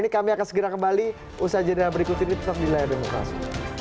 kami akan segera kembali usaha jadwal berikut ini tetap di layar demokrasi